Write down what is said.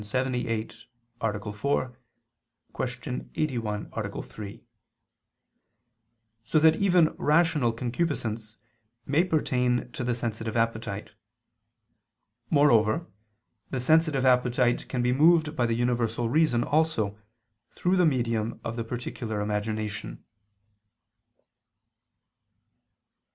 78, A. 4; Q. 81, A. 3): so that even rational concupiscence may pertain to the sensitive appetite. Moreover the sensitive appetite can be moved by the universal reason also, through the medium of the particular imagination.